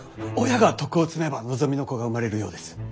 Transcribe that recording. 親が徳を積めば望みの子が生まれるようです。